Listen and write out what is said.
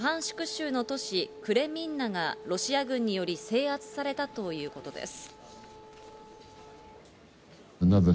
州の都市クレミンナがロシア軍により制圧されたということです。